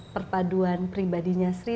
perpaduan pribadinya sri